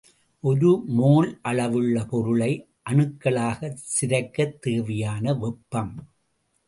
ஒரு மோல் அளவுள்ள பொருளை அணுக்களாகச் சிதைக்கத் தேவையான வெப்பம்.